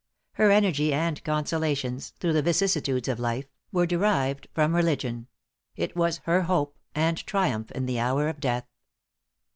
Her energy and consolations, through the vicissitudes of life, were derived from religion; it was her hope and triumph in the hour of death.